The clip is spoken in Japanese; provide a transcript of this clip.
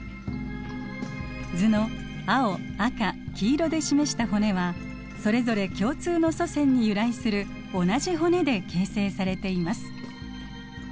図の青赤黄色で示した骨はそれぞれ共通の祖先に由来する同じ骨で形成されています。